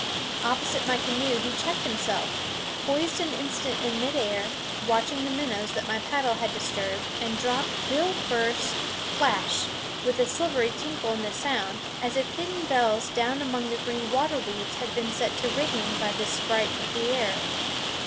Opposite my canoe he checked himself, poised an instant in mid air, watching the minnows that my paddle had disturbed, and dropped bill first plash! with a silvery tinkle in the sound, as if hidden bells down among the green water weeds had been set to ringing by this sprite of the air.